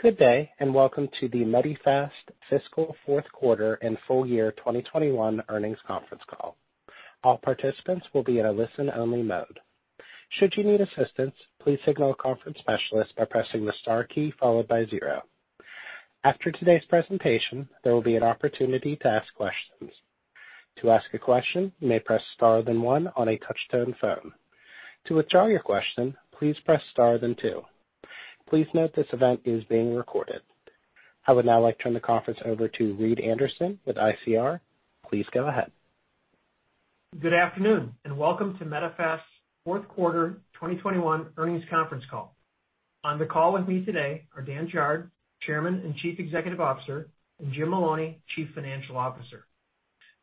Good day, and welcome to the Medifast Fiscal Q4 and Full Year 2021 Earnings Conference Call. All participants will be in a listen-only mode. Should you need assistance, please signal a conference specialist by pressing the star key followed by zero. After today's presentation, there will be an opportunity to ask questions. To ask a question, you may press star then one on a touch-tone phone. To withdraw your question, please press star then two. Please note this event is being recorded. I would now like to turn the conference over to Reed Anderson with ICR. Please go ahead. Good afternoon, and welcome to Medifast's Q4 2021 Earnings Conference Call. On the call with me today are Dan Chard, Chairman and Chief Executive Officer, and Jim Maloney, Chief Financial Officer.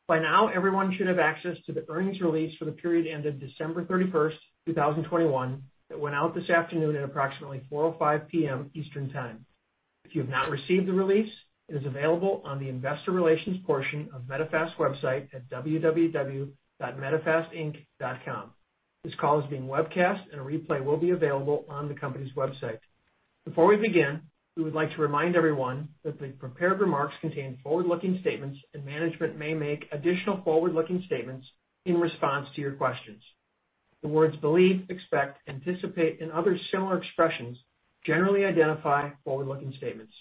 By now, everyone should have access to the earnings release for the period ended December 31, 2021, that went out this afternoon at approximately 4:05 P.M. Eastern Time. If you have not received the release, it is available on the investor relations portion of Medifast's website at www.medifastinc.com. This call is being webcast, and a replay will be available on the company's website. Before we begin, we would like to remind everyone that the prepared remarks contain forward-looking statements, and management may make additional forward-looking statements in response to your questions. The words believe, expect, anticipate, and other similar expressions generally identify forward-looking statements.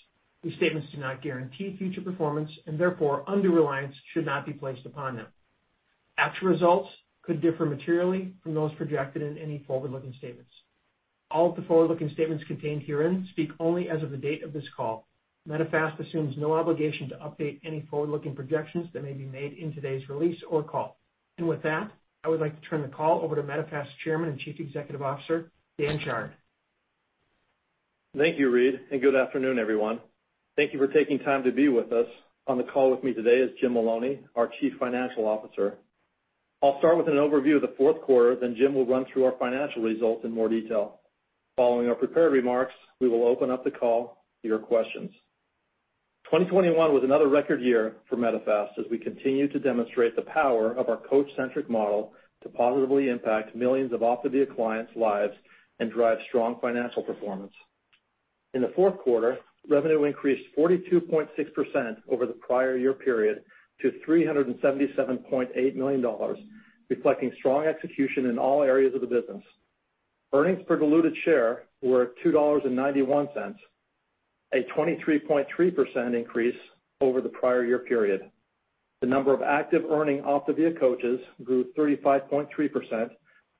These statements do not guarantee future performance, and therefore, undue reliance should not be placed upon them. Actual results could differ materially from those projected in any forward-looking statements. All of the forward-looking statements contained herein speak only as of the date of this call. Medifast assumes no obligation to update any forward-looking projections that may be made in today's release or call. With that, I would like to turn the call over to Medifast's Chairman and Chief Executive Officer, Dan Chard. Thank you, Reed, and good afternoon, everyone. Thank you for taking time to be with us. On the call with me today is Jim Maloney, our Chief Financial Officer. I'll start with an overview of the Q4, then Jim will run through our financial results in more detail. Following our prepared remarks, we will open up the call to your questions. 2021 was another record year for Medifast as we continue to demonstrate the power of our coach-centric model to positively impact millions of OPTAVIA clients' lives and drive strong financial performance. In the Q4, revenue increased 42.6% over the prior year period to $377.8 million, reflecting strong execution in all areas of the business. Earnings per diluted share were $2.91, a 23.3% increase over the prior year period. The number of active earning OPTAVIA coaches grew 35.3%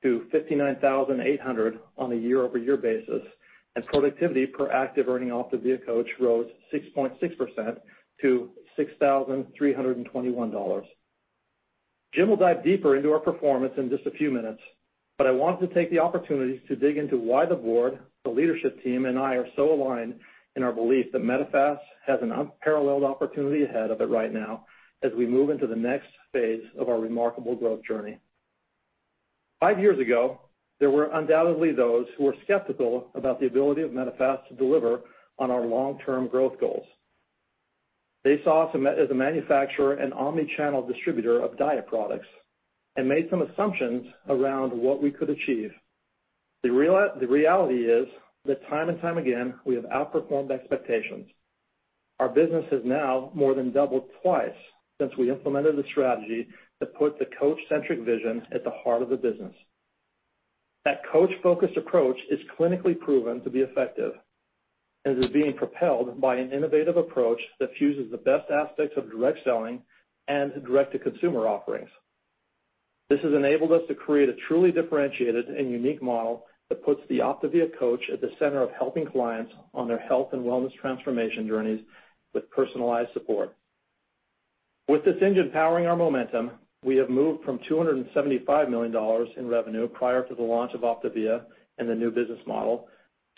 to 59,800 on a year-over-year basis, and productivity per active earning OPTAVIA coach rose 6.6% to $6,321. Jim will dive deeper into our performance in just a few minutes, but I want to take the opportunity to dig into why the board, the leadership team, and I are so aligned in our belief that Medifast has an unparalleled opportunity ahead of it right now as we move into the next phase of our remarkable growth journey. Five years ago, there were undoubtedly those who were skeptical about the ability of Medifast to deliver on our long-term growth goals. They saw us as a manufacturer and omni-channel distributor of diet products and made some assumptions around what we could achieve. The reality is that time and time again, we have outperformed expectations. Our business has now more than doubled twice since we implemented the strategy that put the coach-centric vision at the heart of the business. That coach-focused approach is clinically proven to be effective and is being propelled by an innovative approach that fuses the best aspects of direct selling and direct-to-consumer offerings. This has enabled us to create a truly differentiated and unique model that puts the OPTAVIA coach at the center of helping clients on their health and wellness transformation journeys with personalized support. With this engine powering our momentum, we have moved from $275 million in revenue prior to the launch of OPTAVIA and the new business model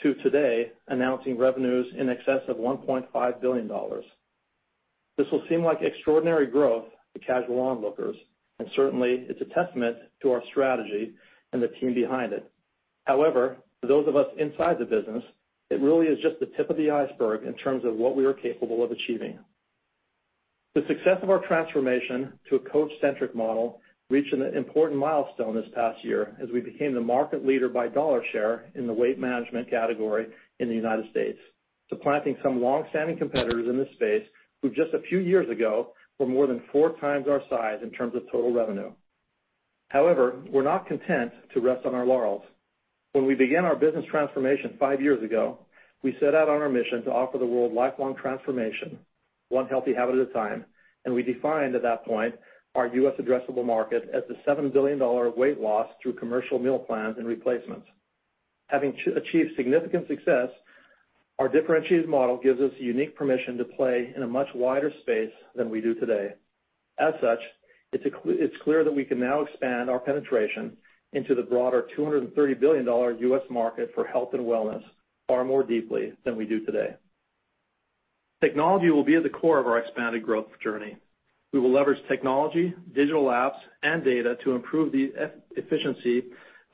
to today announcing revenues in excess of $1.5 billion. This will seem like extraordinary growth to casual onlookers, and certainly, it's a testament to our strategy and the team behind it. However, for those of us inside the business, it really is just the tip of the iceberg in terms of what we are capable of achieving. The success of our transformation to a coach-centric model reached an important milestone this past year as we became the market leader by dollar share in the weight management category in the United States, supplanting some long-standing competitors in this space who just a few years ago were more than four times our size in terms of total revenue. However, we're not content to rest on our laurels. When we began our business transformation five years ago, we set out on our mission to offer the world lifelong transformation one healthy habit at a time, and we defined at that point our U.S. addressable market as the $7 billion weight loss through commercial meal plans and replacements. Having achieved significant success, our differentiated model gives us unique permission to play in a much wider space than we do today. As such, it's clear that we can now expand our penetration into the broader $230 billion U.S. market for health and wellness far more deeply than we do today. Technology will be at the core of our expanded growth journey. We will leverage technology, digital apps, and data to improve the efficiency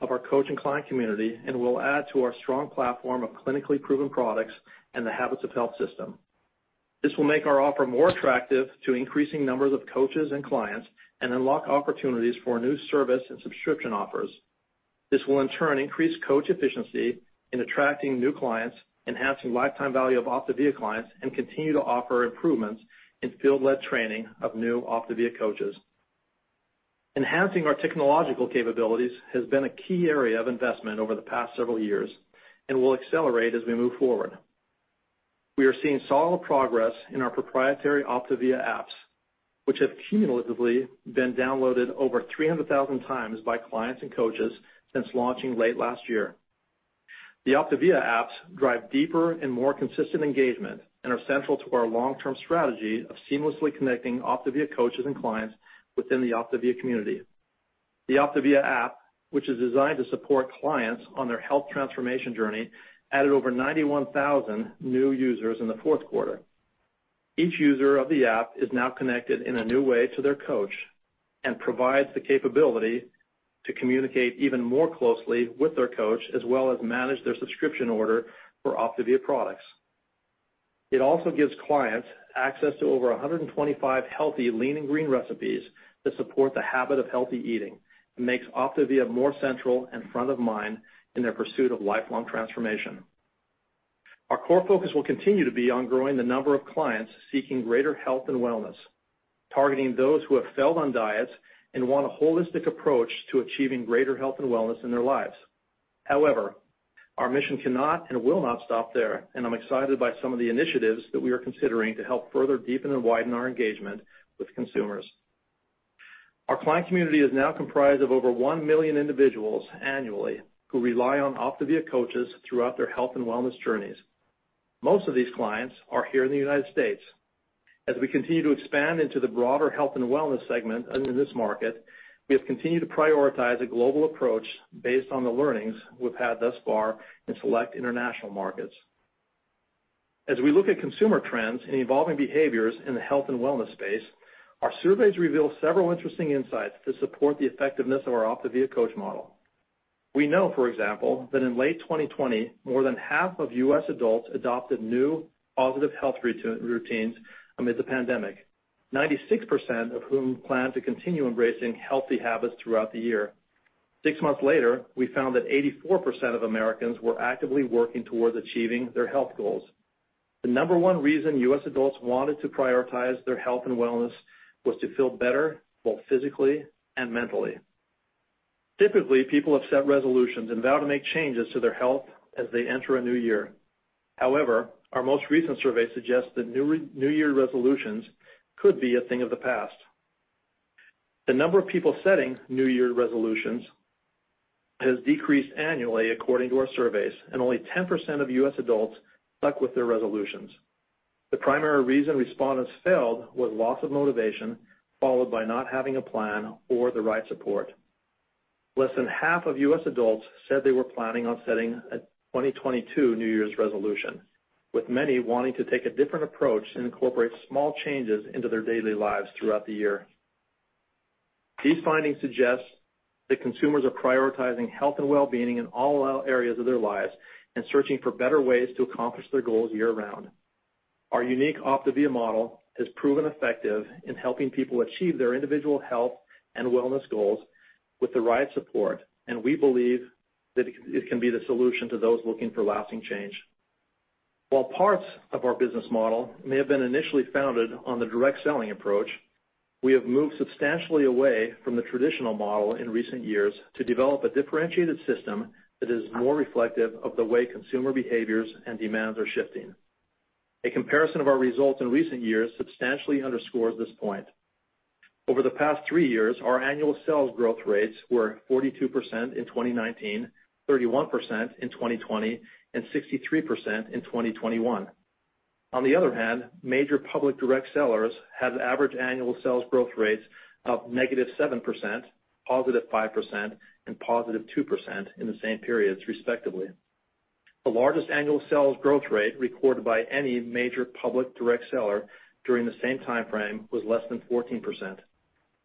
of our coach and client community, and we'll add to our strong platform of clinically proven products and the Habits of Health system. This will make our offer more attractive to increasing numbers of coaches and clients and unlock opportunities for new service and subscription offers. This will in turn increase coach efficiency in attracting new clients, enhancing lifetime value of OPTAVIA clients, and continue to offer improvements in field-led training of new OPTAVIA coaches. Enhancing our technological capabilities has been a key area of investment over the past several years and will accelerate as we move forward. We are seeing solid progress in our proprietary OPTAVIA apps, which have cumulatively been downloaded over 300,000 times by clients and coaches since launching late last year. The OPTAVIA apps drive deeper and more consistent engagement and are central to our long-term strategy of seamlessly connecting OPTAVIA coaches and clients within the OPTAVIA community. The OPTAVIA app, which is designed to support clients on their health transformation journey, added over 91,000 new users in the Q4. Each user of the app is now connected in a new way to their coach and provides the capability to communicate even more closely with their coach, as well as manage their subscription order for OPTAVIA products. It also gives clients access to over 125 healthy Lean & Green recipes that support the habit of healthy eating and makes OPTAVIA more central and front of mind in their pursuit of lifelong transformation. Our core focus will continue to be on growing the number of clients seeking greater health and wellness, targeting those who have failed on diets and want a holistic approach to achieving greater health and wellness in their lives. However, our mission cannot and will not stop there, and I'm excited by some of the initiatives that we are considering helping further deepen and widen our engagement with consumers. Our client community is now comprised of over 1 million individuals annually who rely on OPTAVIA coaches throughout their health and wellness journeys. Most of these clients are here in the United States. As we continue to expand into the broader health and wellness segment in this market, we have continued to prioritize a global approach based on the learnings we've had thus far in select international markets. As we look at consumer trends and evolving behaviors in the health and wellness space, our surveys reveal several interesting insights to support the effectiveness of our OPTAVIA Coach model. We know, for example, that in late 2020, more than half of U.S. adults adopted new positive health routines amid the pandemic, 96% of whom plan to continue embracing healthy habits throughout the year. Six months later, we found that 84% of Americans were actively working towards achieving their health goals. The number one reason U.S. adults wanted to prioritize their health, and wellness was to feel better, both physically and mentally. Typically, people have set resolutions and vow to make changes to their health as they enter a new year. However, our most recent survey suggests that new year resolutions could be a thing of the past. The number of people setting New Year's resolutions has decreased annually according to our surveys, and only 10% of U.S. adults stuck with their resolutions. The primary reason respondents failed was loss of motivation, followed by not having a plan or the right support. Less than half of U.S. adults said they were planning on setting a 2022 New Year's resolution, with many wanting to take a different approach and incorporate small changes into their daily lives throughout the year. These findings suggest that consumers are prioritizing health and well-being in all areas of their lives and searching for better ways to accomplish their goals year-round. Our unique OPTAVIA model has proven effective in helping people achieve their individual health and wellness goals with the right support, and we believe that it can be the solution to those looking for lasting change. While parts of our business model may have been initially founded on the direct selling approach, we have moved substantially away from the traditional model in recent years to develop a differentiated system that is more reflective of the way consumer behaviors and demands are shifting. A comparison of our results in recent years substantially underscores this point. Over the past three years, our annual sales growth rates were 42% in 2019, 31% in 2020, and 63% in 2021. On the other hand, major public direct sellers had average annual sales growth rates of -7%, 5%, and 2% in the same periods, respectively. The largest annual sales growth rate recorded by any major public direct seller during the same timeframe was less than 14%.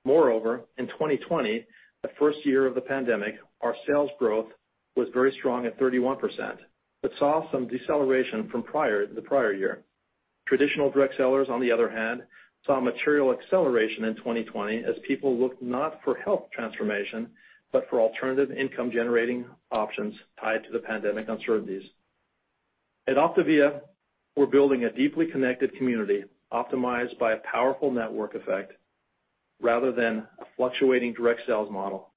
Moreover, in 2020, the first year of the pandemic, our sales growth was very strong at 31% but saw some deceleration from the prior year. Traditional direct sellers, on the other hand, saw a material acceleration in 2020 as people looked not for health transformation, but for alternative income-generating options tied to the pandemic uncertainties. At OPTAVIA, we're building a deeply connected community optimized by a powerful network effect rather than a fluctuating direct sales model.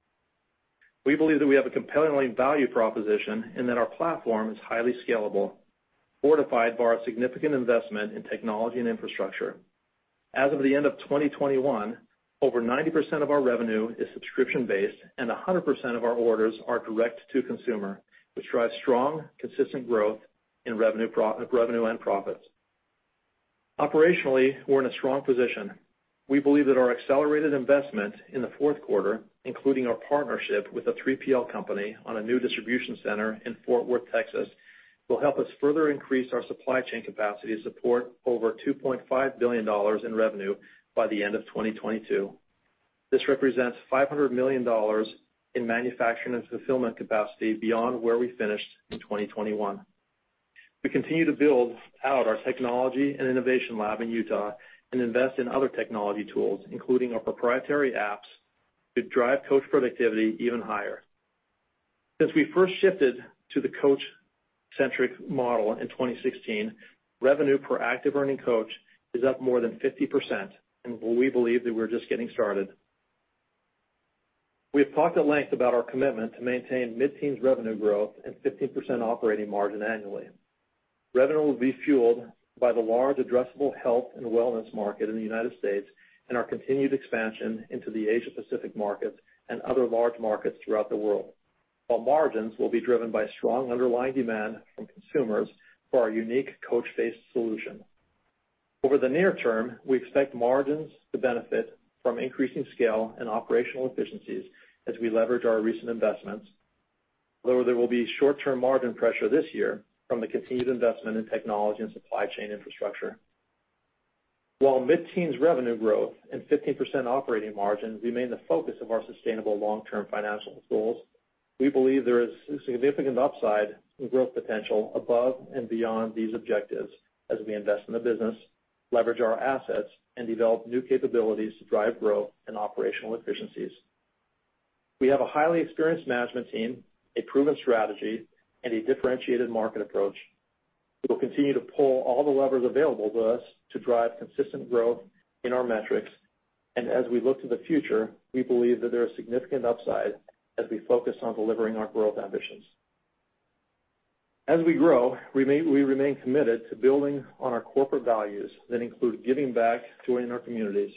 We believe that we have a compelling value proposition and that our platform is highly scalable, fortified by our significant investment in technology and infrastructure. As of the end of 2021, over 90% of our revenue is subscription-based, and 100% of our orders are direct to consumer, which drives strong, consistent growth in revenue and profits. Operationally, we're in a strong position. We believe that our accelerated investment in the Q4, including our partnership with a 3PL company on a new distribution center in Fort Worth, Texas, will help us further increase our supply chain capacity to support over $2.5 billion in revenue by the end of 2022. This represents $500 million in manufacturing and fulfillment capacity beyond where we finished in 2021. We continue to build out our technology and innovation lab in Utah and invest in other technology tools, including our proprietary apps, to drive coach productivity even higher. Since we first shifted to the coach-centric model in 2016, revenue per active earning coach is up more than 50%, and we believe that we're just getting started. We have talked at length about our commitment to maintain mid-teens revenue growth and 15% operating margin annually. Revenue will be fueled by the large addressable health and wellness market in the United States and our continued expansion into the Asia-Pacific markets and other large markets throughout the world. While margins will be driven by strong underlying demand from consumers for our unique coach-based solution. Over the near term, we expect margins to benefit from increasing scale and operational efficiencies as we leverage our recent investments, although there will be short-term margin pressure this year from the continued investment in technology and supply chain infrastructure. While mid-teens revenue growth and 15% operating margins remain the focus of our sustainable long-term financial goals, we believe there is significant upside and growth potential above and beyond these objectives as we invest in the business, leverage our assets, and develop new capabilities to drive growth and operational efficiencies. We have a highly experienced management team, a proven strategy, and a differentiated market approach. We will continue to pull all the levers available to us to drive consistent growth in our metrics. As we look to the future, we believe that there is significant upside as we focus on delivering our growth ambitions. As we grow, we remain committed to building on our corporate values that include giving back to our communities.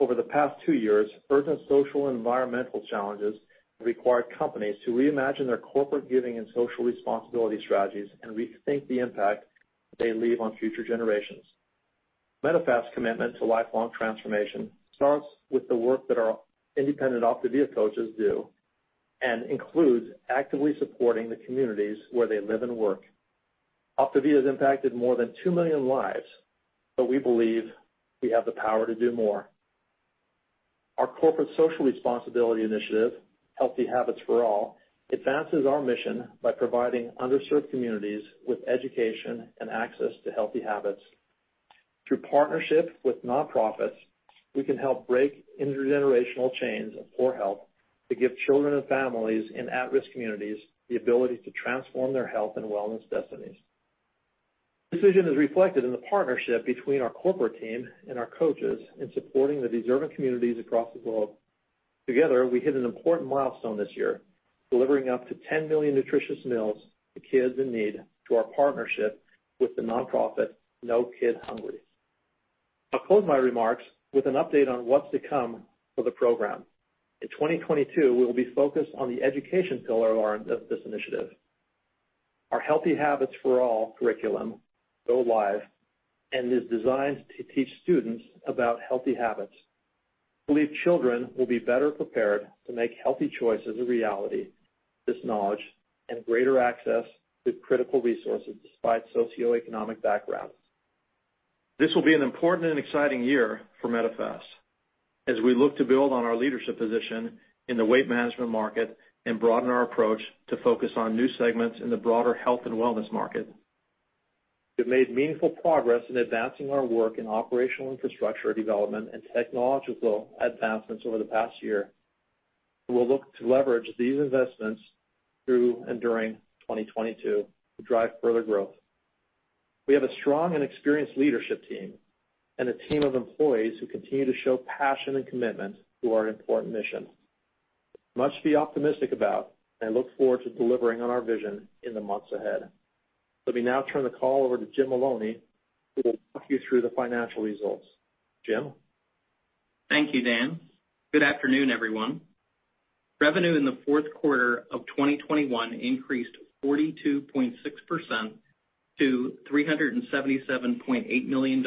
Over the past two years, urgent social and environmental challenges have required companies to reimagine their corporate giving and social responsibility strategies and rethink the impact they leave on future generations. Medifast's commitment to lifelong transformation starts with the work that our independent OPTAVIA coaches do and includes actively supporting the communities where they live and work. OPTAVIA has impacted more than 2 million lives, but we believe we have the power to do more. Our corporate social responsibility initiative, Healthy Habits for All, advances our mission by providing underserved communities with education and access to healthy habits. Through partnership with nonprofits, we can help break intergenerational chains of poor health to give children and families in at-risk communities the ability to transform their health and wellness destinies. This vision is reflected in the partnership between our corporate team and our coaches in supporting the deserving communities across the globe. Together, we hit an important milestone this year, delivering up to 10 million nutritious meals to kids in need through our partnership with the nonprofit No Kid Hungry. I'll close my remarks with an update on what's to come for the program. In 2022, we will be focused on the education pillar of this initiative. Our Healthy Habits for All curriculum go live and is designed to teach students about healthy habits. We believe children will be better prepared to make healthy choices a reality, this knowledge, and greater access to critical resources despite socioeconomic backgrounds. This will be an important and exciting year for Medifast as we look to build on our leadership position in the weight management market and broaden our approach to focus on new segments in the broader health and wellness market. We've made meaningful progress in advancing our work in operational infrastructure development and technological advancements over the past year. We'll look to leverage these investments through and during 2022 to drive further growth. We have a strong and experienced leadership team, and a team of employees who continue to show passion and commitment to our important mission, much to be optimistic about and look forward to delivering on our vision in the months ahead. Let me now turn the call over to Jim Maloney, who will walk you through the financial results. Jim? Thank you, Dan. Good afternoon, everyone. Revenue in the Q4 of 2021 increased 42.6% to $377.8 million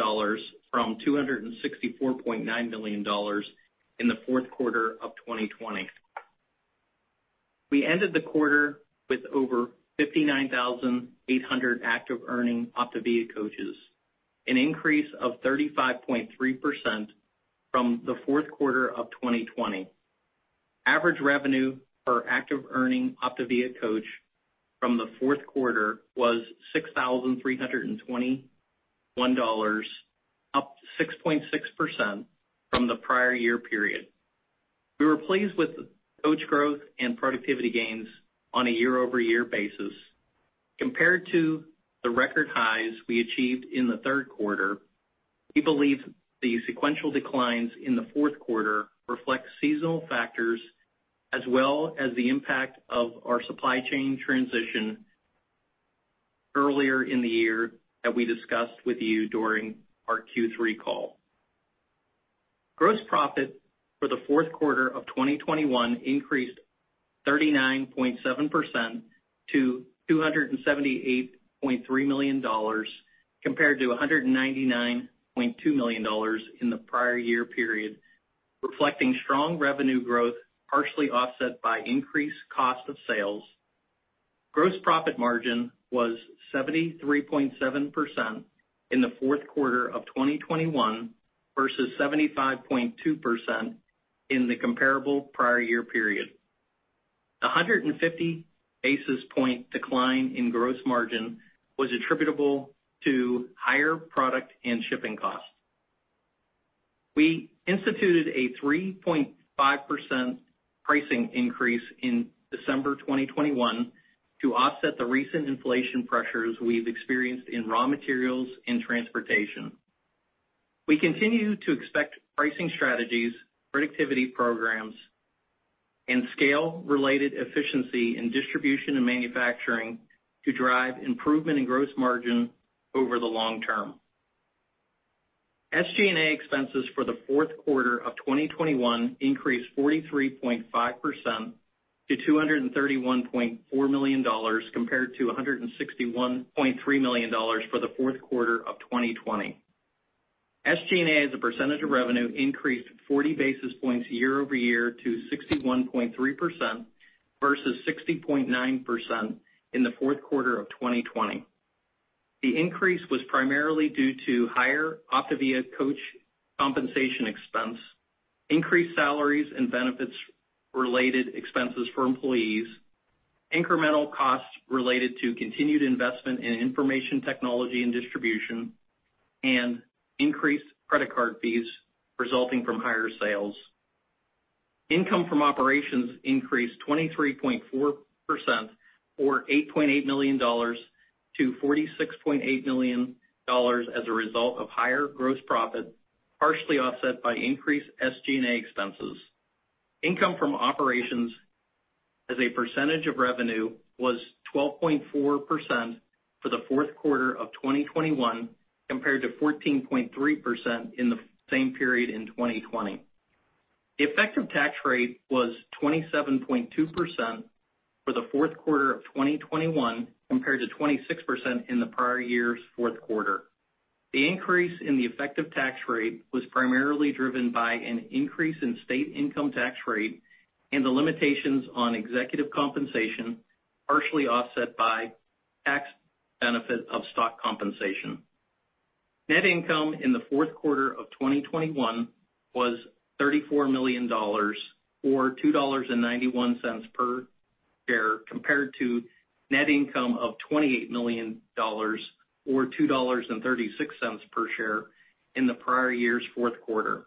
from $264.9 million in the Q4 of 2020. We ended the quarter with over 59,800 active earning OPTAVIA coaches, an increase of 35.3% from the Q4 of 2020. Average revenue per active earning OPTAVIA coach from the Q4 was $6,321, up 6.6% from the prior year period. We were pleased with the coach growth and productivity gains on a year-over-year basis. Compared to the record highs we achieved in the Q3, we believe the sequential declines in the Q4 reflect seasonal factors as well as the impact of our supply chain transition earlier in the year that we discussed with you during our Q3 call. Gross profit for the Q4 of 2021 increased 39.7% to $278.3 million, compared to $199.2 million in the prior year period, reflecting strong revenue growth, partially offset by increased cost of sales. Gross profit margin was 73.7% in the Q4 of 2021 versus 75.2% in the comparable prior year period. A 150 basis point decline in gross margin was attributable to higher product and shipping costs. We instituted a 3.5% pricing increase in December 2021 to offset the recent inflation pressures we've experienced in raw materials and transportation. We continue to expect pricing strategies, productivity programs, and scale-related efficiency in distribution and manufacturing to drive improvement in gross margin over the long term. SG&A expenses for the Q4 of 2021 increased 43.5% to $231.4 million compared to $161.3 million for the Q4 of 2020. SG&A as a percentage of revenue increased 40 basis points year-over-year to 61.3% versus 60.9% in the Q4 of 2020. The increase was primarily due to higher OPTAVIA coach compensation expense, increased salaries and benefits-related expenses for employees, incremental costs related to continued investment in information technology and distribution, and increased credit card fees resulting from higher sales. Income from operations increased 23.4% or $8.8 million to $46.8 million as a result of higher gross profit, partially offset by increased SG&A expenses. Income from operations as a percentage of revenue was 12.4% for the Q4 of 2021 compared to 14.3% in the same period in 2020. The effective tax rate was 27.2% for the Q4 of 2021 compared to 26% in the prior year's Q4. The increase in the effective tax rate was primarily driven by an increase in state income tax rate and the limitations on executive compensation, partially offset by tax benefit of stock compensation. Net income in the Q4 of 2021 was $34 million or $2.91 per share compared to net income of $28 million or $2.36 per share in the prior year's Q4.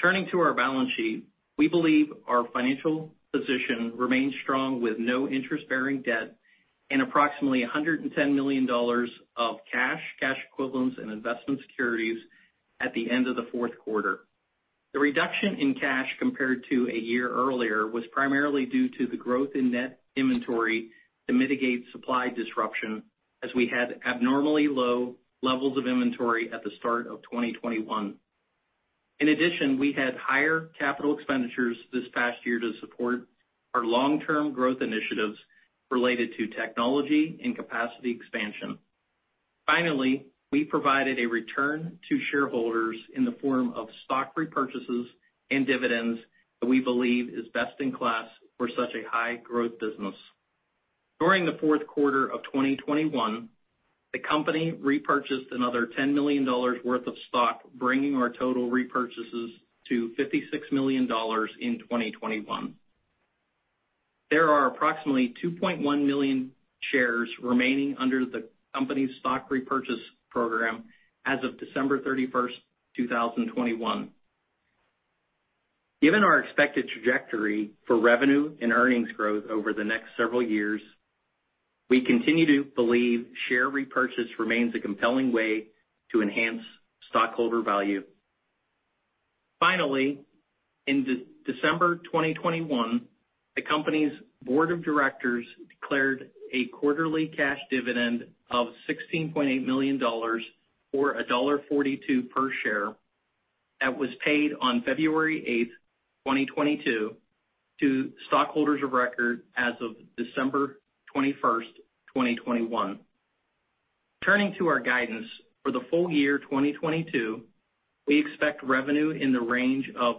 Turning to our balance sheet. We believe our financial position remains strong with no interest-bearing debt and approximately $110 million of cash equivalents, and investment securities at the end of the Q4. The reduction in cash compared to a year earlier was primarily due to the growth in net inventory to mitigate supply disruption as we had abnormally low levels of inventory at the start of 2021. In addition, we had higher capital expenditures this past year to support our long-term growth initiatives related to technology and capacity expansion. Finally, we provided a return to shareholders in the form of stock repurchases and dividends that we believe is best in class for such a high-growth business. During the Q4 of 2021, the company repurchased another $10 million worth of stock, bringing our total repurchases to $56 million in 2021. There are approximately 2.1 million shares remaining under the company's stock repurchase program as of December 31, 2021. Given our expected trajectory for revenue and earnings growth over the next several years, we continue to believe share repurchase remains a compelling way to enhance stockholder value. Finally, in December 2021, the company's board of directors declared a quarterly cash dividend of $16.8 million or $1.42 per share that was paid on February 8, 2022, to stockholders of record as of December 21, 2021. Turning to our guidance. For the full year 2022, we expect revenue in the range of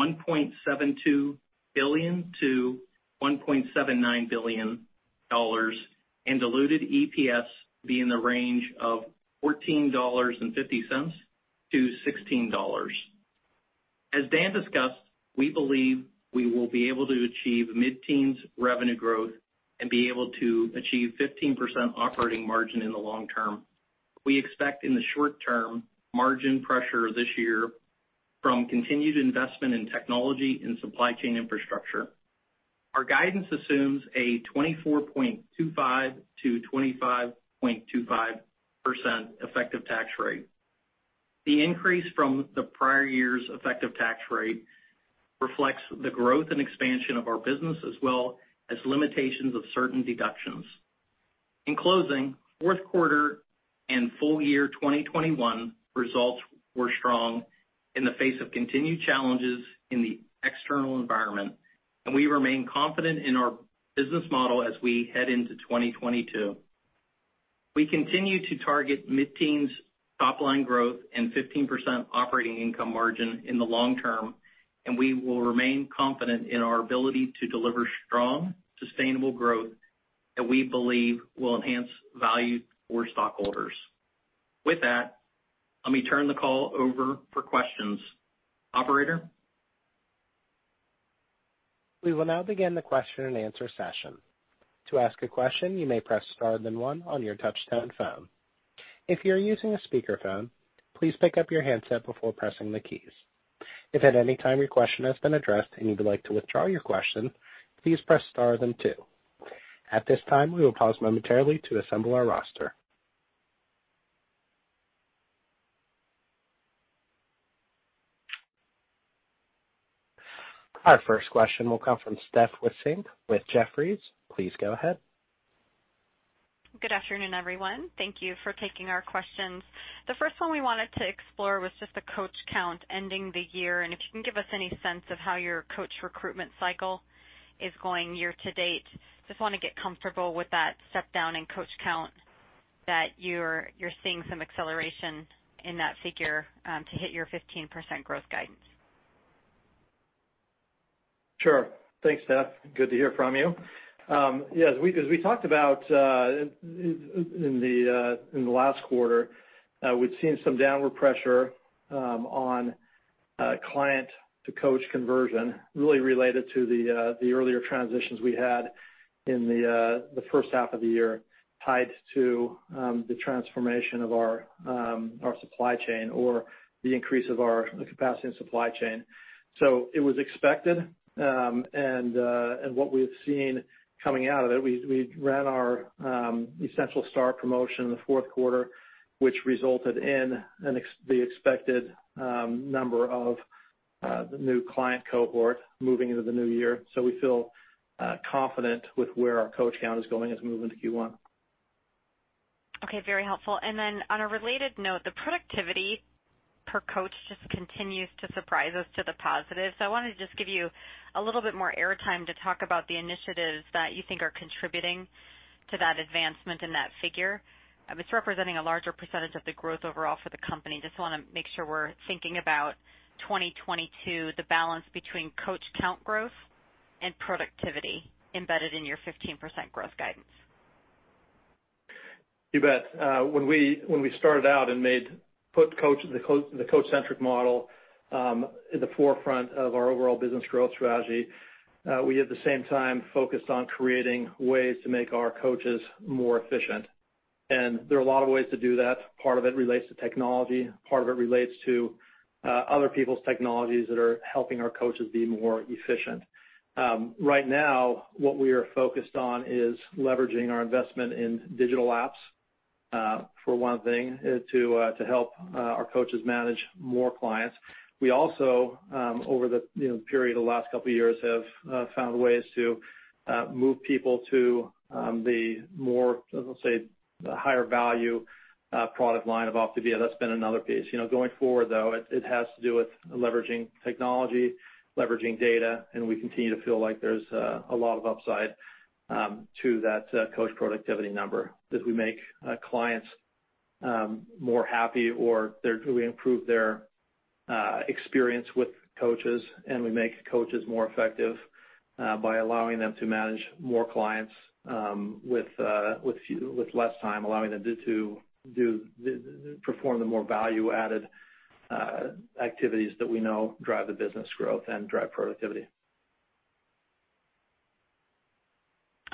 $1.72 billion-$1.79 billion, and diluted EPS be in the range of $14.50-$16. As Dan discussed, we believe we will be able to achieve mid-teens revenue growth and be able to achieve 15% operating margin in the long term. We expect in the short-term margin pressure this year from continued investment in technology and supply chain infrastructure. Our guidance assumes a 24.25%-25.25% effective tax rate. The increase from the prior year's effective tax rate reflects the growth and expansion of our business as well as limitations of certain deductions. In closing, Q4 and full year 2021 results were strong in the face of continued challenges in the external environment, and we remain confident in our business model as we head into 2022. We continue to target mid-teens top line growth and 15% operating income margin in the long term, and we will remain confident in our ability to deliver strong, sustainable growth that we believe will enhance value for stockholders. With that, let me turn the call over for questions. Operator? We will now begin the question-and-answer session. To ask a question, you may press star then one on your touch-tone phone. If you're using a speakerphone, please pick up your handset before pressing the keys. If at any time your question has been addressed and you would like to withdraw your question, please press star then two. At this time, we will pause momentarily to assemble our roster. Our first question will come from Stephanie Wissink with Jefferies. Please go ahead. Good afternoon, everyone. Thank you for taking our questions. The first one we wanted to explore was just the coach count ending the year, and if you can give us any sense of how your coach recruitment cycle is going year to date. Just wanna get comfortable with that step down in coach count that you're seeing some acceleration in that figure to hit your 15% growth guidance. Sure. Thanks, Steph. Good to hear from you. Yeah, as we talked about in the last quarter, we'd seen some downward pressure on client to coach conversion, really related to the earlier transitions we had in the H1 of the year, tied to the transformation of our supply chain or the increase of our capacity and supply chain. It was expected, and what we've seen coming out of it, we ran our Essential Start promotion in the Q4, which resulted in the expected number of the new client cohort moving into the new year. We feel confident with where our coach count is going as we move into Q1. Okay, very helpful. Then on a related note, the productivity per coach just continues to surprise us to the positive. I wanted to just give you a little bit more airtime to talk about the initiatives that you think are contributing to that advancement in that figure. It's representing a larger percentage of the growth overall for the company. Just wanna make sure we're thinking about 2022, the balance between coach count growth and productivity embedded in your 15% growth guidance. You bet. When we started out and made the coach-centric model at the forefront of our overall business growth strategy, we at the same time focused on creating ways to make our coaches more efficient. There are a lot of ways to do that. Part of it relates to technology. Part of it relates to other people's technologies that are helping our coaches be more efficient. Right now, what we are focused on is leveraging our investment in digital apps for one thing to help our coaches manage more clients. We also over the you know period of the last couple of years have found ways to move people to the more, let's say, the higher value product line of OPTAVIA. That's been another piece. You know, going forward, though, it has to do with leveraging technology, leveraging data, and we continue to feel like there's a lot of upside to that coach productivity number as we make clients more happy or we improve their experience with coaches and we make coaches more effective by allowing them to manage more clients with less time, allowing them to perform the more value-added activities that we know drive the business growth and drive productivity.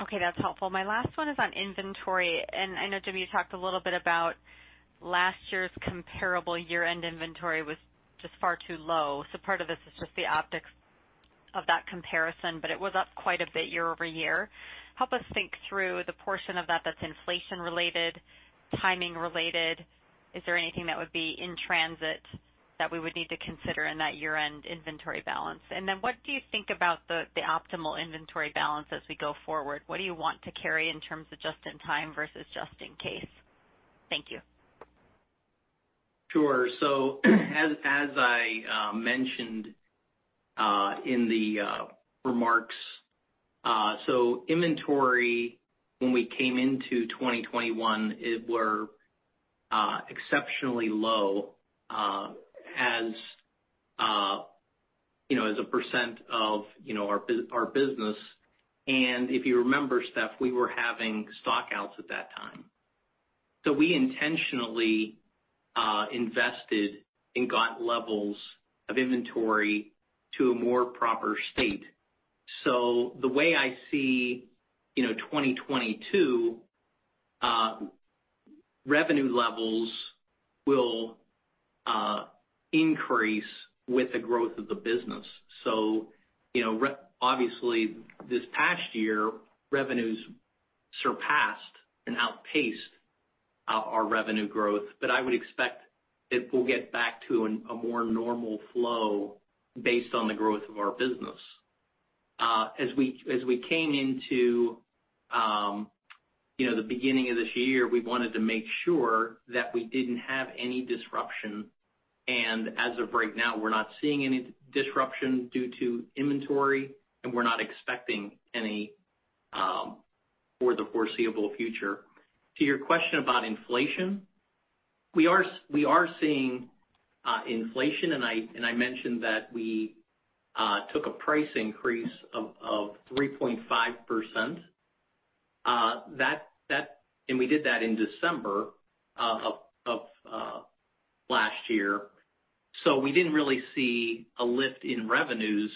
Okay, that's helpful. My last one is on inventory. I know, Jimmy, you talked a little bit about last year's comparable year-end inventory was just far too low. Part of this is just the optics of that comparison, but it was up quite a bit year-over-year. Help us think through the portion of that that's inflation related, timing related. Is there anything that would be in transit that we would need to consider in that year-end inventory balance? Then what do you think about the optimal inventory balance as we go forward? What do you want to carry in terms of just in time versus just in case? Thank you. Sure. As I mentioned in the remarks, inventory when we came into 2021 were exceptionally low, as you know, as a percent of our business. If you remember, Steph, we were having stock outs at that time. We intentionally invested and got levels of inventory to a more proper state. The way I see 2022, revenue levels will increase with the growth of the business. You know, obviously, this past year, revenues surpassed and outpaced our revenue growth. I would expect it will get back to a more normal flow based on the growth of our business. As we came into, you know, the beginning of this year, we wanted to make sure that we didn't have any disruption. As of right now, we're not seeing any disruption due to inventory, and we're not expecting any for the foreseeable future. To your question about inflation, we are seeing inflation, and I mentioned that we took a price increase of 3.5%. That and we did that in December of last year. We didn't really see a lift in revenues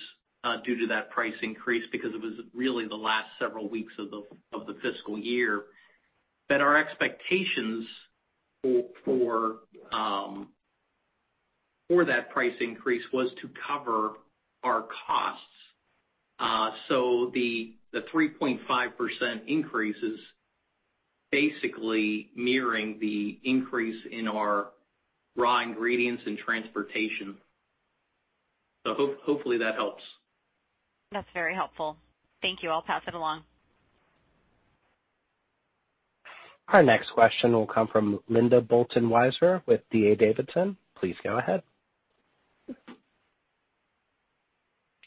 due to that price increase because it was really the last several weeks of the fiscal year, but our expectations for that price increase was to cover our costs. The 3.5% increase is basically mirroring the increase in our raw ingredients and transportation. Hopefully, that helps. That's very helpful. Thank you, I'll pass it along. Our next question will come from Linda Bolton Weiser with D.A. Davidson. Please go ahead.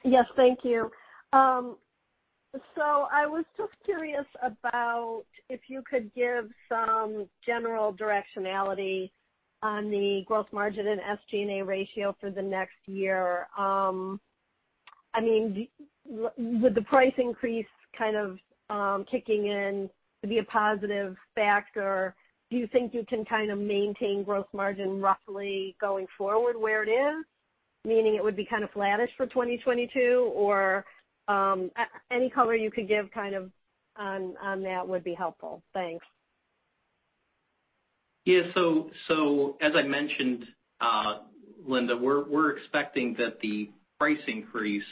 Yes, thank you. I was just curious about if you could give some general directionality on the gross margin and SG&A ratio for the next year. I mean, with the price increase kind of kicking in to be a positive factor, do you think you can kind of maintain gross margin roughly going forward where it is, meaning it would be kind of flattish for 2022? Or any color you could give kind of on that would be helpful. Thanks. As I mentioned, Linda, we're expecting that the price increase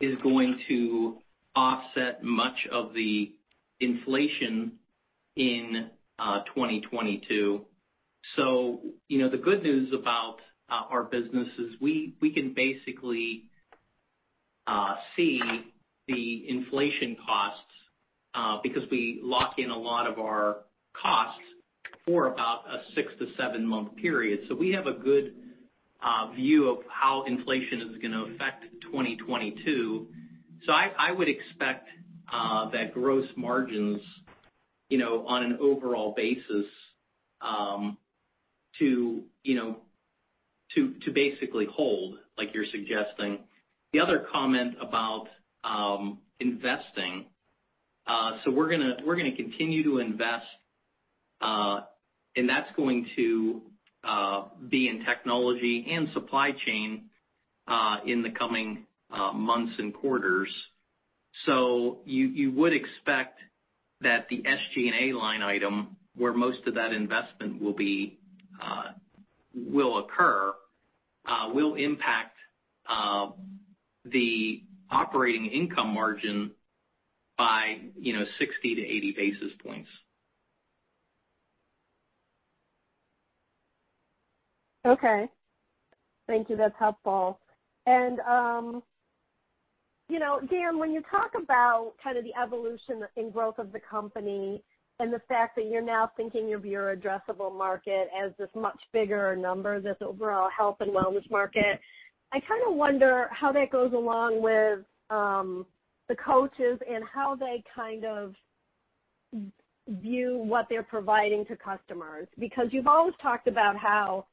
is going to offset much of the inflation in 2022. You know, the good news about our business is we can basically see the inflation costs because we lock in a lot of our costs for about a six- to 7-month period. We have a good view of how inflation is gonna affect 2022. I would expect that gross margins, you know, on an overall basis, to basically hold, like you're suggesting. The other comment about investing, we're gonna continue to invest, and that's going to be in technology and supply chain in the coming months and quarters. You would expect that the SG&A line item, where most of that investment will be, will occur will impact the operating income margin by, you know, 60-80 basis points. Okay. Thank you. That's helpful. You know, Dan, when you talk about kind of the evolution and growth of the company and the fact that you're now thinking of your addressable market as this much bigger number, this overall health and wellness market, I kind of wonder how that goes along with the coaches and how they kind of view what they're providing to customers. Because you've always talked about how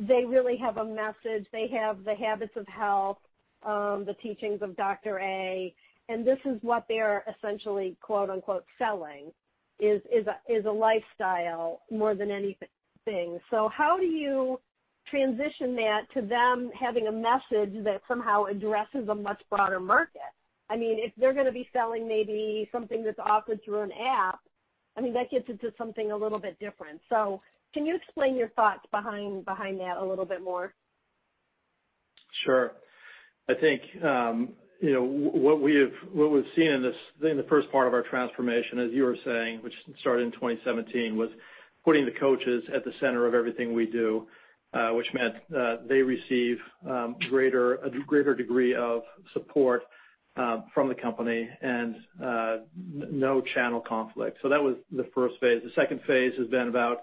they really have a message. They have the Habits of Health, the teachings of Dr. A, and this is what they're essentially, quote-unquote, "selling," is a lifestyle more than anything. How do you transition that to them having a message that somehow addresses a much broader market? I mean, if they're gonna be selling maybe something that's offered through an app, I mean, that gets into something a little bit different. Can you explain your thoughts behind that a little bit more? Sure. I think, you know, what we have, what we've seen in this, in the first part of our transformation, as you were saying, which started in 2017, was putting the coaches at the center of everything we do, which meant they receive a greater degree of support from the company and no channel conflict. So that was the first phase. The second phase has been about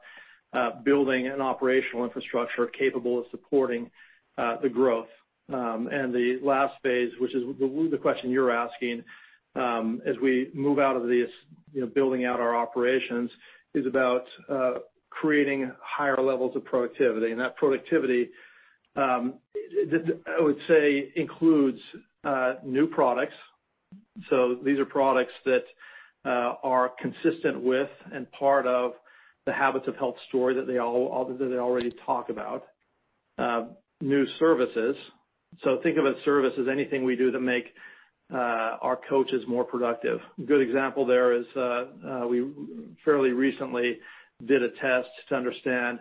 building an operational infrastructure capable of supporting the growth. The last phase, which is the question you're asking, as we move out of this, you know, building out our operations, is about creating higher levels of productivity. That productivity I would say includes new products. These are products that are consistent with and part of the Habits of Health story that they already talk about. New services. Think of a service as anything we do to make our coaches more productive. A good example there is, we fairly recently did a test to understand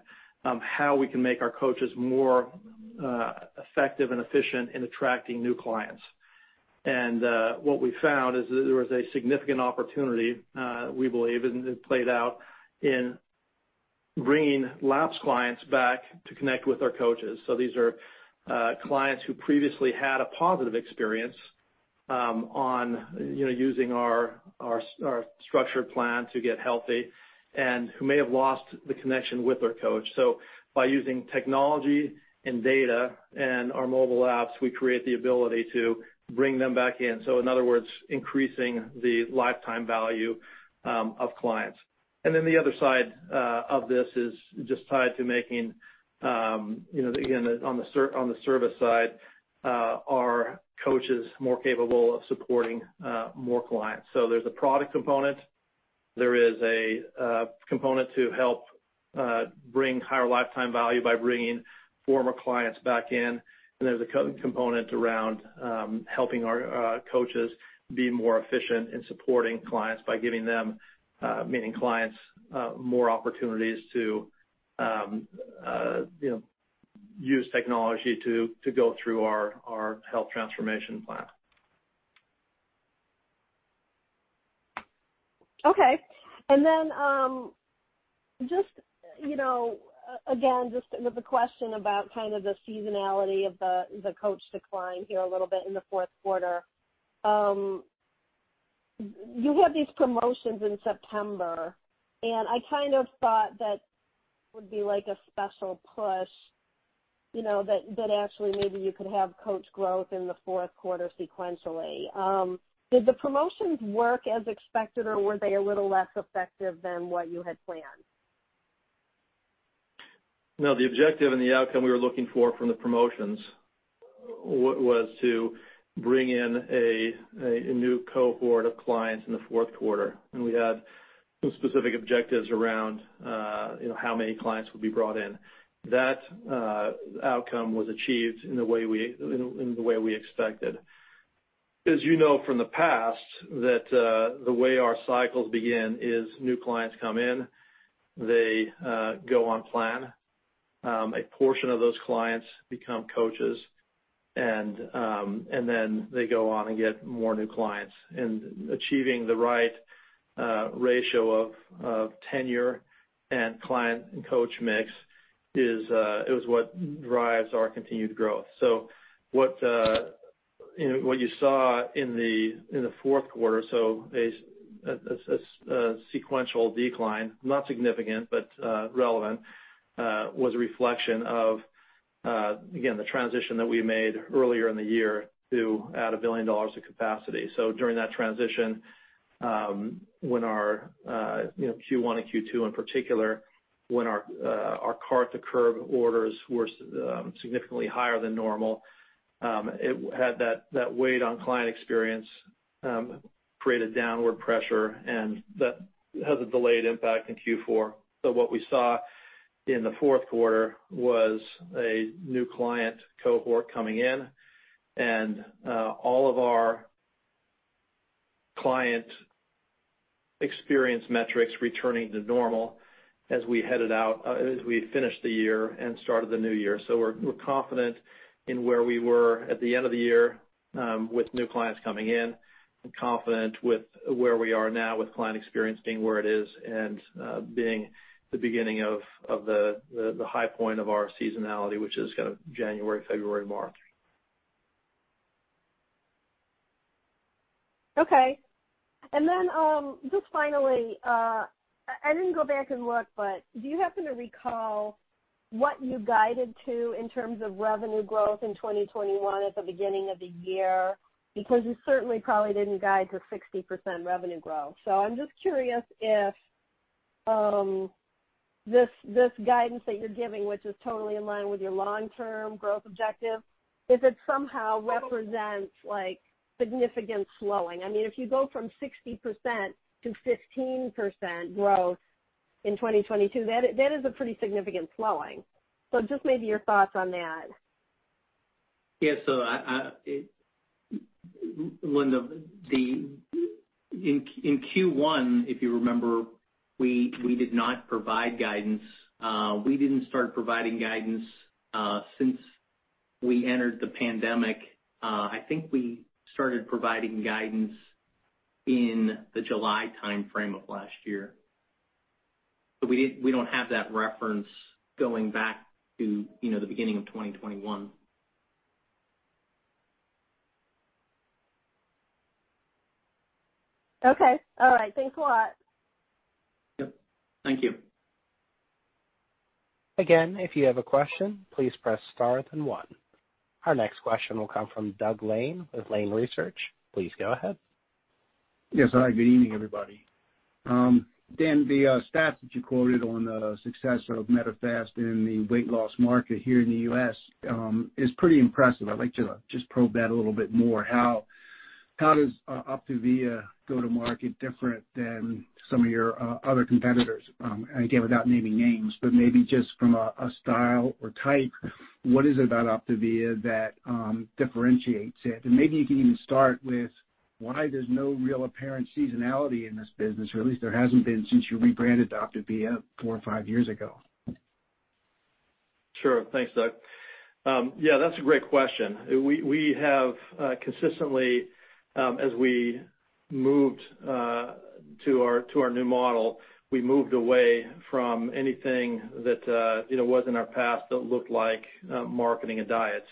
how we can make our coaches more effective and efficient in attracting new clients. What we found is that there was a significant opportunity, we believe, and it played out in bringing lapsed clients back to connect with our coaches. These are clients who previously had a positive experience on, you know, using our structured plan to get healthy and who may have lost the connection with their coach. By using technology and data and our mobile apps, we create the ability to bring them back in other words, increasing the lifetime value of clients. The other side of this is just tied to making, you know, again, on the service side, our coaches more capable of supporting more clients. There's a product component. There is a component to help bring higher lifetime value by bringing former clients back in. There's a component around helping our coaches be more efficient in supporting clients by giving them, meaning clients, more opportunities to, you know, use technology to go through our health transformation plan. Okay. Just, you know, again, just with the question about kind of the seasonality of the coach decline here a little bit in the Q4. You had these promotions in September, and I kind of thought that would be like a special push, you know, that actually maybe you could have coach growth in the Q4 sequentially. Did the promotions work as expected, or were they a little less effective than what you had planned? No, the objective and the outcome we were looking for from the promotions was to bring in a new cohort of clients in the Q4. We had some specific objectives around you know how many clients would be brought in. That outcome was achieved in the way we expected. As you know from the past that the way our cycles begin is new clients come in, they go on plan. A portion of those clients become coaches and then they go on and get more new clients. Achieving the right ratio of tenure and client and coach mix is what drives our continued growth. What, you know, what you saw in the Q4, a sequential decline, not significant but relevant, was a reflection of, again, the transition that we made earlier in the year to add $1 billion of capacity. During that transition, when our, you know, Q1 and Q2 in particular, when our cart to curb orders were significantly higher than normal, it had that weight on client experience, created downward pressure, and that has a delayed impact in Q4. What we saw in the Q4 was a new client cohort coming in and all of our client experience metrics returning to normal as we finished the year and started the new year. We're confident in where we were at the end of the year with new clients coming in and confident with where we are now with client experience being where it is and being the beginning of the high point of our seasonality, which is kind of January, February, March. Okay. Just finally, I didn't go back and look, but do you happen to recall what you guided to in terms of revenue growth in 2021 at the beginning of the year? Because you certainly probably didn't guide to 60% revenue growth. I'm just curious if this guidance that you're giving, which is totally in line with your long-term growth objective, if it somehow represents like significant slowing. I mean, if you go from 60% to 15% growth in 2022, that is a pretty significant slowing. Just maybe your thoughts on that. Linda, in Q1, if you remember, we did not provide guidance. We didn't start providing guidance since we entered the pandemic. I think we started providing guidance in the July timeframe of last year. We don't have that reference going back to, you know, the beginning of 2021. Okay. All right. Thanks a lot. Yep. Thank you. Again, if you have a question, please press star then one. Our next question will come from Doug Lane with Lane Research. Please go ahead. Yes. Hi, good evening, everybody. Dan, the stats that you quoted on the success of Medifast in the weight loss market here in the U.S. is pretty impressive. I'd like to just probe that a little bit more. How does OPTAVIA go to market different than some of your other competitors, again, without naming names, but maybe just from a style or type, what is it about OPTAVIA that differentiates it? Maybe you can even start with why there's no real apparent seasonality in this business, or at least there hasn't been since you rebranded to OPTAVIA four or five years ago. Sure. Thanks, Doug. Yeah, that's a great question. We have consistently as we moved to our new model. We moved away from anything that you know was in our past that looked like marketing a diet.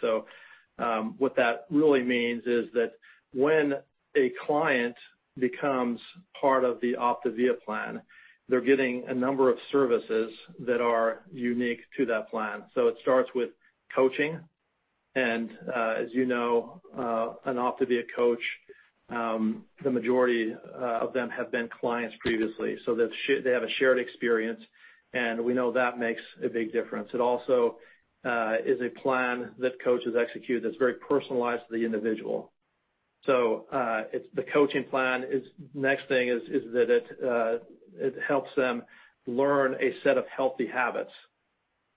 What that really means is that when a client becomes part of the OPTAVIA plan, they're getting a number of services that are unique to that plan. It starts with coaching and as you know an OPTAVIA coach the majority of them have been clients previously. They have a shared experience, and we know that makes a big difference. It also is a plan that coaches execute that's very personalized to the individual. It's the coaching plan is next thing is that it helps them learn a set of healthy habits.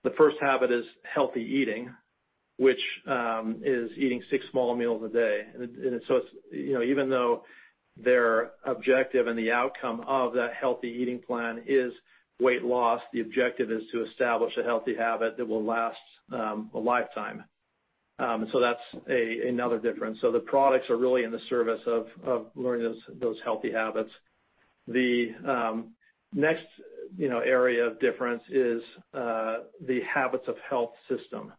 The first habit is healthy eating, which is eating six small meals a day. It's even though their objective and the outcome of that healthy eating plan is weight loss, the objective is to establish a healthy habit that will last a lifetime. That's another difference. The products are really in the service of learning those healthy habits. The next area of difference is the Habits of Health system.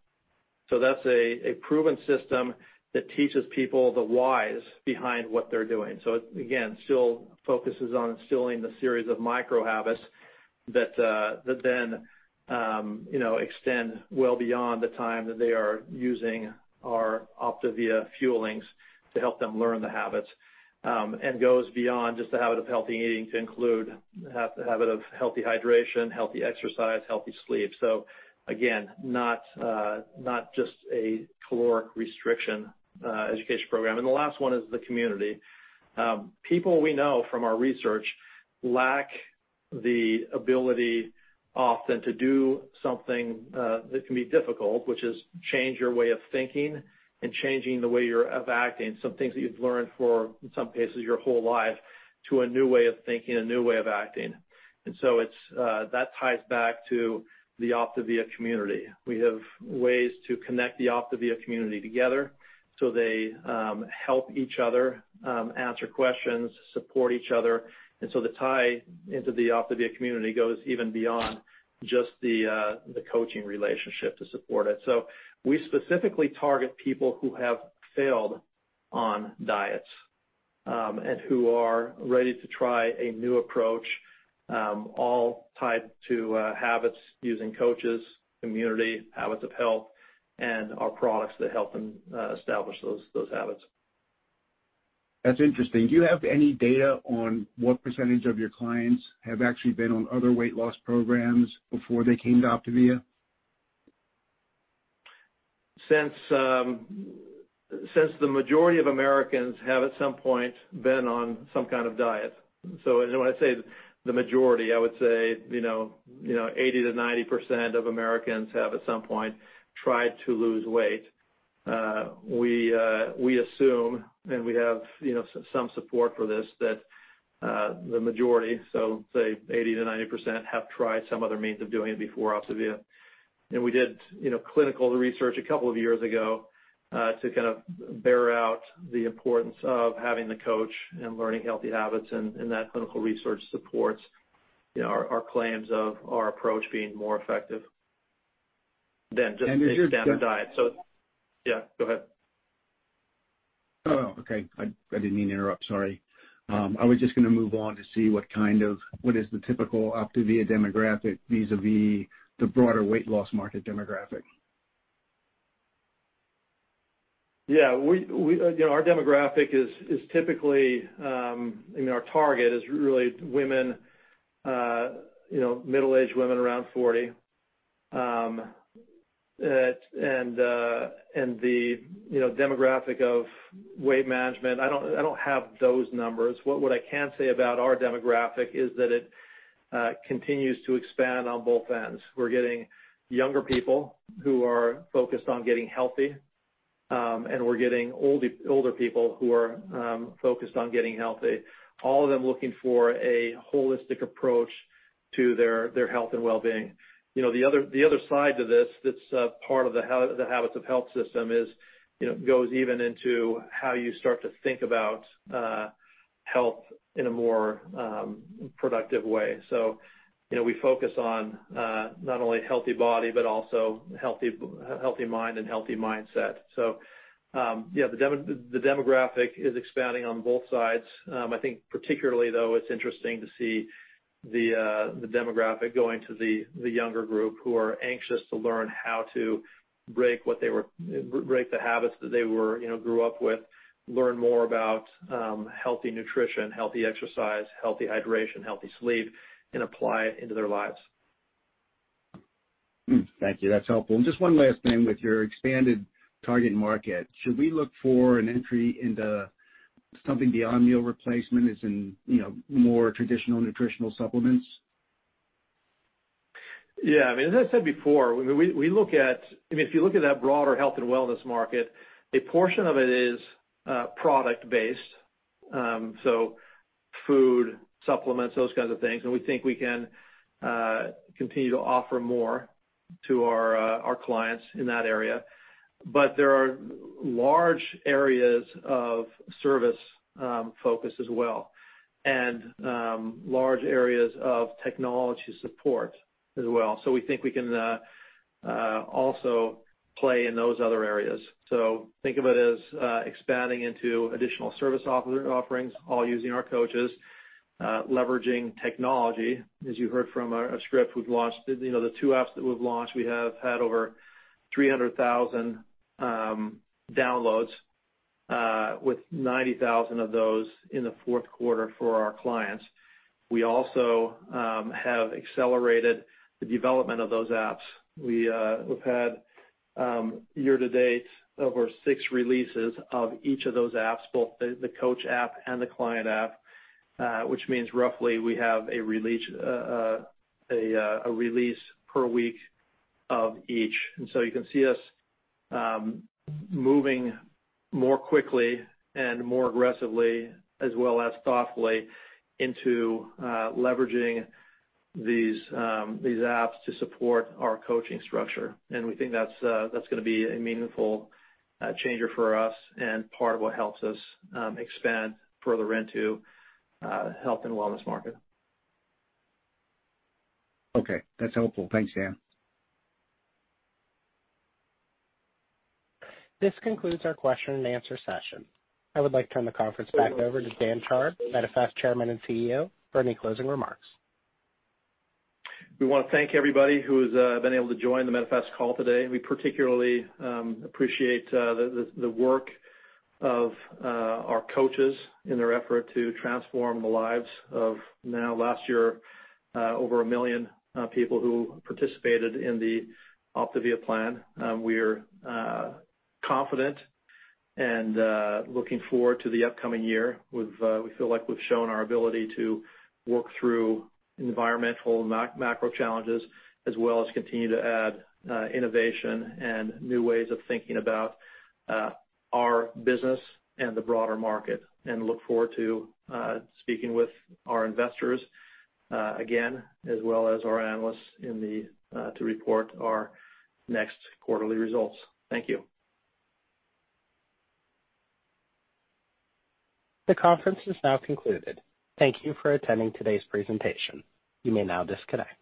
That's a proven system that teaches people the whys behind what they're doing. It again still focuses on instilling the series of micro habits that then you know extend well beyond the time that they are using our OPTAVIA Fuelings to help them learn the habits and goes beyond just the habit of healthy eating to include the habit of healthy hydration, healthy exercise, healthy sleep. Again, not just a caloric restriction education program. The last one is the community. People we know from our research lack the ability often to do something that can be difficult, which is change your way of thinking and changing the way you're acting. Some things that you've learned for, in some cases, your whole life to a new way of thinking, a new way of acting. It's that ties back to the OPTAVIA Community. We have ways to connect the OPTAVIA Community together, so they help each other answer questions, support each other. The tie into the OPTAVIA Community goes even beyond just the coaching relationship to support it. We specifically target people who have failed on diets and who are ready to try a new approach, all tied to habits using coaches, community, Habits of Health, and our products that help them establish those habits. That's interesting. Do you have any data on what percentage of your clients have actually been on other weight loss programs before they came to OPTAVIA? Since the majority of Americans have, at some point, been on some kind of diet, and when I say the majority, I would say, you know, 80%-90% of Americans have, at some point, tried to lose weight. We assume, and we have, you know, some support for this, that the majority, so say 80%-90%, have tried some other means of doing it before OPTAVIA. We did, you know, clinical research a couple of years ago, to kind of bear out the importance of having the coach and learning healthy habits, and that clinical research supports, you know, our claims of our approach being more effective than just a standard diet. Is your- Yeah, go ahead. Oh, okay. I didn't mean to interrupt, sorry. I was just gonna move on to see what is the typical OPTAVIA demographic vis-à-vis the broader weight loss market demographic? Yeah, we. You know, our demographic is typically, you know, our target is really women, you know, middle-aged women around 40. And the, you know, demographic of weight management, I don't have those numbers. What I can say about our demographic is that it continues to expand on both ends. We're getting younger people who are focused on getting healthy, and we're getting older people who are focused on getting healthy, all of them looking for a holistic approach to their health and wellbeing. You know, the other side to this that's part of the Habits of Health System is, you know, goes even into how you start to think about health in a more productive way. You know, we focus on not only healthy body, but also healthy mind and healthy mindset. The demographic is expanding on both sides. I think particularly though, it's interesting to see the demographic going to the younger group who are anxious to learn how to break the habits that they were, you know, grew up with, learn more about healthy nutrition, healthy exercise, healthy hydration, healthy sleep, and apply it into their lives. Thank you. That's helpful. Just one last thing with your expanded target market, should we look for an entry into something beyond meal replacement as in, you know, more traditional nutritional supplements? Yeah. I mean, as I said before, when we look at I mean, if you look at that broader health and wellness market, a portion of it is product based. Food, supplements, those kinds of things. We think we can continue to offer more to our clients in that area. There are large areas of service focus as well, and large areas of technology support as well. We think we can also play in those other areas. Think of it as expanding into additional service offerings, all using our coaches, leveraging technology. As you heard from Steph, we've launched, you know, the two apps that we've launched. We have had over 300,000 downloads with 90,000 of those in the Q4 for our clients. We also have accelerated the development of those apps. We've had year-to-date over six releases of each of those apps, both the coach app and the client app, which means roughly we have a release per week of each. You can see us moving more quickly and more aggressively, as well as thoughtfully into leveraging these apps to support our coaching structure. We think that's gonna be a meaningful changer for us and part of what helps us expand further into health and wellness market. Okay. That's helpful. Thanks, Dan. This concludes our question-and-answer session. I would like to turn the conference back over to Dan Chard, Medifast Chairman and CEO, for any closing remarks. We wanna thank everybody who has been able to join the Medifast call today. We particularly appreciate the work of our coaches in their effort to transform the lives of now last year over 1 million people who participated in the OPTAVIA plan. We're confident and looking forward to the upcoming year. We feel like we've shown our ability to work through environmental and macro challenges, as well as continue to add innovation and new ways of thinking about our business and the broader market, and look forward to speaking with our investors again, as well as our analysts to report our next quarterly results. Thank you. The conference is now concluded. Thank you for attending today's presentation. You may now disconnect.